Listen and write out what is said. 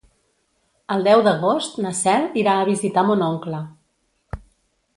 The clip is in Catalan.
El deu d'agost na Cel irà a visitar mon oncle.